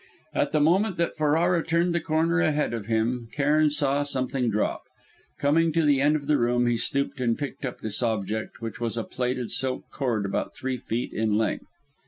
At the moment that Ferrara turned the corner ahead of him, Cairn saw something drop. Coming to the end of the room, he stooped and picked up this object, which was a plaited silk cord about three feet in length.